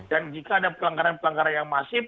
dan jika ada pelanggaran pelanggaran yang masif